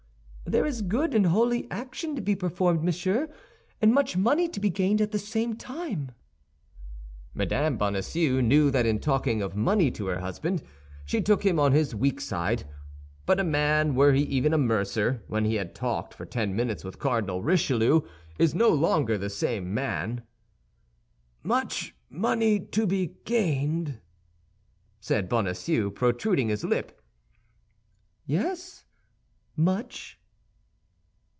There is good and holy action to be performed, monsieur, and much money to be gained at the same time." Mme. Bonacieux knew that in talking of money to her husband, she took him on his weak side. But a man, were he even a mercer, when he had talked for ten minutes with Cardinal Richelieu, is no longer the same man. "Much money to be gained?" said Bonacieux, protruding his lip. "Yes, much."